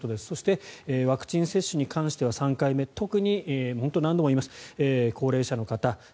そしてワクチン接種に関しては３回目、特に何度も言います、高齢者の方